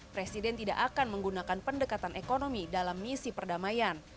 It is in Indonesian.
presiden tidak akan menggunakan pendekatan ekonomi dalam misi perdamaian